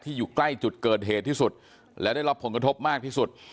อยู่ใกล้จุดเกิดเหตุที่สุดและได้รับผลกระทบมากที่สุด